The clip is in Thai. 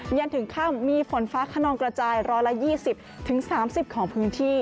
เย็นถึงค่ำมีฝนฟ้าขนองกระจาย๑๒๐๓๐ของพื้นที่